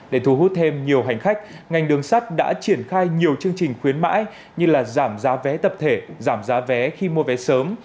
để thu hút thêm nhiều hành khách ngành đường sắt đã triển khai nhiều chương trình khuyến mãi như là giảm giá vé tập thể giảm giá vé khi mua vé sớm